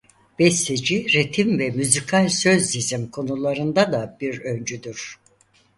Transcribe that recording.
Besteci ritim ve müzikal sözdizim konularında da bir öncüdür.